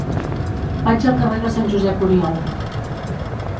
Vaig al carrer de Sant Josep Oriol.